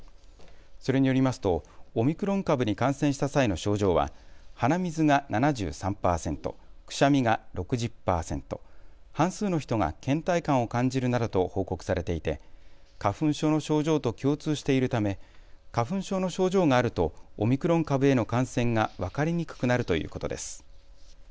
それによりますとオミクロン株に感染した際の症状は鼻水が７３％、くしゃみが６０％、半数の人が倦怠感を感じるなどと報告されていて花粉症の症状と共通しているため花粉症の症状があるとオミクロン株への感染が分かりにくくなるということです。